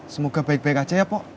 semoga baik baik aja ya pak